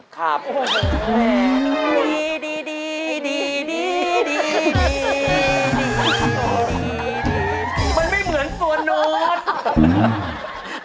มันไม่เหมือนตัวนู้น